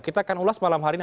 kita akan ulas malam hari ini